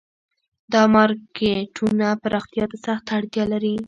دا مارکیټونه پراختیا ته سخته اړتیا لري